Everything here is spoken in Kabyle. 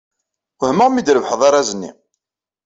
Wehmeɣ mi d-trebḥeḍ arraz-nni.